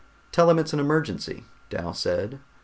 "Tell them it's an emergency," Dal said.